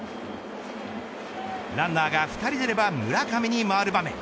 ランナーが２人出れば村上に回る場面